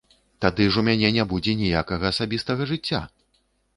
Тады ж у мяне не будзе ніякага асабістага жыцця!